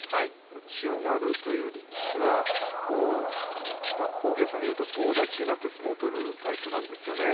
千代丸という力士は大げさに言うと棒立ちになって相撲を取るタイプです。